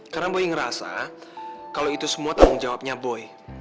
karena boy ngerasa kalau itu semua tanggung jawabnya boy